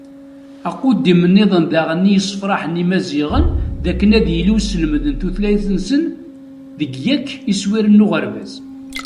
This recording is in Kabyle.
Aquddim-nniḍen daɣen i yesferḥen Imaziɣen, dakken ad yili uselmed n tutlayt-nsen deg yakk iswiren n uɣerbaz.